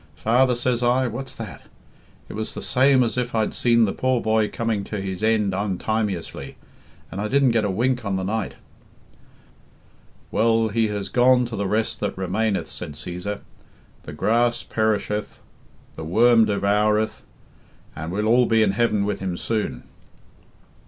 'Father,' says I, 'what's that?' It was the same as if I had seen the poor boy coming to his end un timeously. And I didn't get a wink on the night." "Well, he has gone to the rest that remaineth," said Cæsar. "The grass perisheth, and the worm devoureth, and well all be in heaven with him soon."